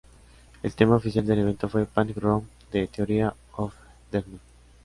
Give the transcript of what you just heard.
El tema oficial del evento fue ""Panic Room"" de Theory of a Deadman.